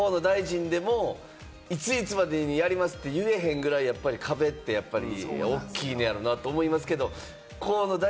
河野大臣でもいついつまでにやりますって言えへんぐらい、壁ってやっぱり大きいのやろなって思いますけれども。